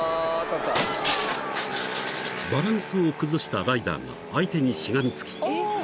［バランスを崩したライダーが相手にしがみつき］